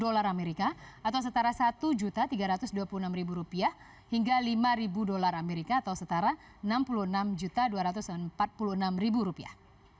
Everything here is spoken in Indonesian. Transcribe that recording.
dolar amerika atau setara satu tiga ratus dua puluh enam rupiah hingga lima dolar amerika atau setara enam puluh enam dua ratus empat puluh enam rupiah